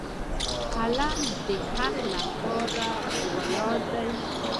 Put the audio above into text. قلم د حق لپاره ولاړ دی